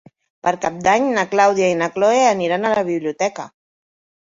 Per Cap d'Any na Clàudia i na Cloè aniran a la biblioteca.